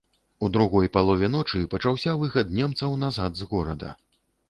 У другой палове ночы пачаўся выхад немцаў назад з горада.